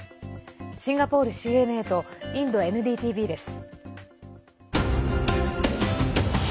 シンガポールＣＮＡとインドＮＤＴＶです。